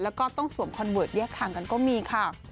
แล้วก็ต้องสวมคอนเวิร์ตแยกทางกันก็มีค่ะ